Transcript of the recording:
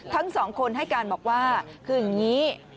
ทั้งสองคนให้การบอกว่าคืออย่างนี้